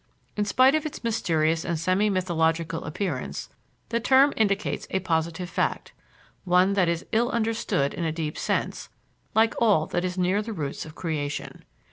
In spite of its mysterious and semi mythological appearance, the term indicates a positive fact, one that is ill understood in a deep sense, like all that is near the roots of creation.